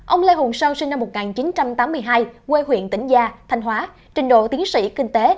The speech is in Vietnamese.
ông lê hùng sau sinh năm một nghìn chín trăm tám mươi hai quê huyện tỉnh gia thanh hóa trình độ tiến sĩ kinh tế